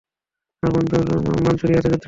আমার বন্ধুরা মাঞ্চুরিয়াতে যুদ্ধ করছে।